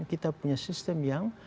kita punya sistem yang